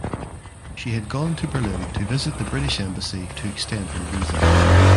She had gone to Berlin to visit the British embassy to extend her visa.